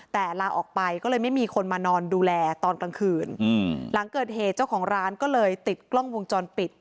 แต่ลาออกไปก็เลยไม่มีคนมานอนดูแลตอนกลางคืนหลังเกิดเหตุเจ้าของร้านก็เลยติดกล้องวงจรปิด